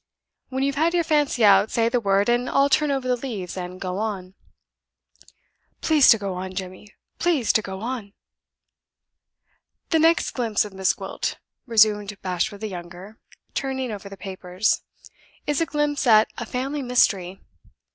When you've had your fancy out, say the word, and I'll turn over the leaves and go on." "Please to go on, Jemmy please to go on." "The next glimpse of Miss Gwilt," resumed Bashwood the younger, turning over the papers, "is a glimpse at a family mystery.